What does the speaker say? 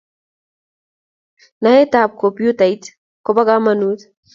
naet ap kopyutait kopo kamanut